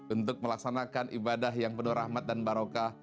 untuk melaksanakan ibadah yang penuh rahmat dan barokah